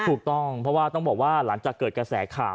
ถูกต้องเพราะว่าต้องบอกว่าหลังจากเกิดกระแสข่าว